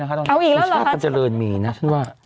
เอาอีกแล้วเหรอครับชาติกันเจริญมีน่ะชื่อว่า